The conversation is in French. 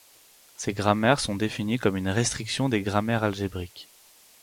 Ces grammaires sont définies comme une restriction des grammaires algébriques.